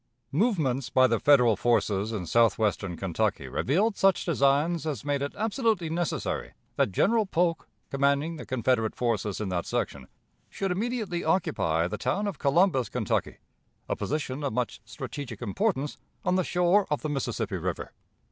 Movements by the Federal forces in southwestern Kentucky revealed such designs as made it absolutely necessary that General Polk, commanding the Confederate forces in that section, should immediately occupy the town of Columbus, Kentucky; a position of much strategic importance on the shore of the Mississippi River.